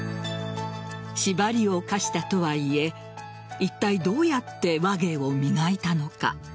縛りを課したとはいえいったいどうやって話芸を磨いたのか。